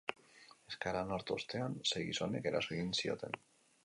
Eskaera onartu ostean, sei gizonek eraso egin zioten.